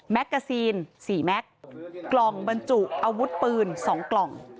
แกซีน๔แม็กซ์กล่องบรรจุอาวุธปืน๒กล่อง